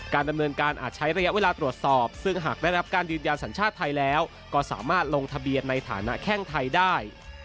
ดำเนินการอาจใช้ระยะเวลาตรวจสอบซึ่งหากได้รับการยืนยันสัญชาติไทยแล้วก็สามารถลงทะเบียนในฐานะแข้งไทยได้